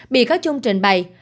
bị cáo trung trình bày